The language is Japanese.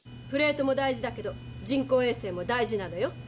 プレートも大事だけど人工衛星も大事なのよ。